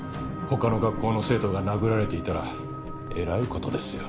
他の学校の生徒が殴られていたらえらい事ですよ。